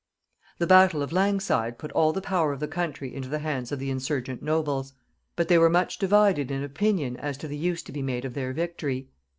The battle of Langside put all the power of the country into the hands of the insurgent nobles; but they were much divided in opinion as to the use to be made of their victory.